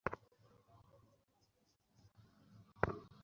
তোমাকে বিপর্যস্ত শোনাচ্ছে।